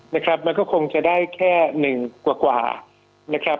นะครับมันก็คงจะได้แค่๑กว่านะครับ